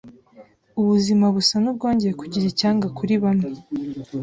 ubuzima busa n’ubwongeye kugira icyanga kuri bamwe,